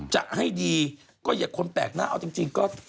จะให้ดีก็อย่าคนแปลกหน้าเอาจริงก็